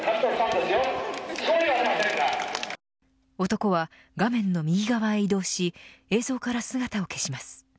男は画面の右側へ移動し映像から姿を消します。